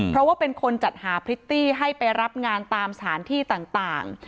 เพราะว่าเป็นคนจัดหาพริตตี้ให้ไปรับงานตามสถานที่ต่าง